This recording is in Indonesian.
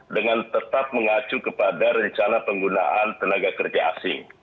dengan tetap mengacu kepada rencana penggunaan tenaga kerja asing